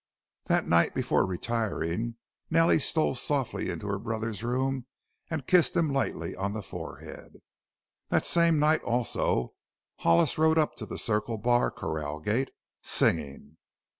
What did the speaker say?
That night before retiring Nellie stole softly into her brother's room and kissed him lightly on the forehead. That same night also Hollis rode up to the Circle Bar corral gate singing.